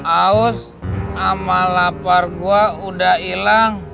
aus sama lapar gue udah hilang